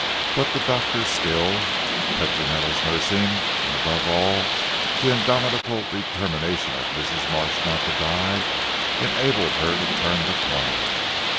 But the doctor's skill, Petronella's nursing, and above all the indomitable determination of Mrs. Marsh not to die, enabled her to turn the corner.